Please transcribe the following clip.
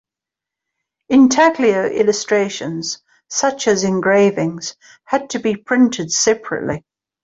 Intaglio illustrations, such as engravings, had to be printed separately.